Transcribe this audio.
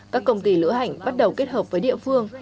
các công ty lữ hành bắt đầu kết hợp với địa phương